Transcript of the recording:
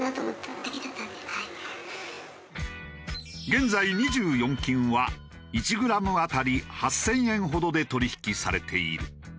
現在２４金は１グラム当たり８０００円ほどで取引されている。